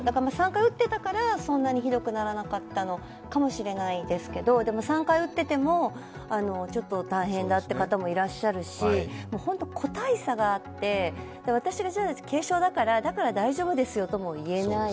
３回打ってたから、そんなにひどくならなかったのかもしれないですが、でも３回打ってても大変だって方もいらっしゃるし本当に個体差があって、私が軽症だから大丈夫ですよとも言えない、